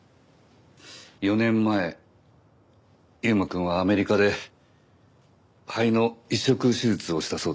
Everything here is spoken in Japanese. ４年前優馬くんはアメリカで肺の移植手術をしたそうですね。